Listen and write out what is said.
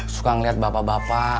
suka ngeliat bapak bapak